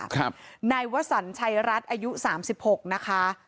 นายวสันชัยรัฐอายุสามสิบหกนะคะ